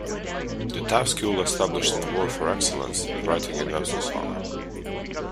The Taft School established an award for excellence in writing in Webster's honor.